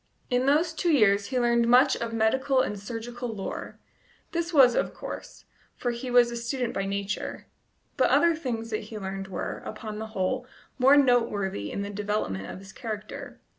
In those two years he learned much of medical and surgical lore this was of course, for he was a student by nature; but other things that he learned were, upon the whole, more noteworthy in the development of his character.